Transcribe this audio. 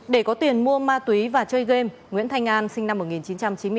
để có tiền mua ma túy và chơi game nguyễn thanh an sinh năm một nghìn chín trăm chín mươi bốn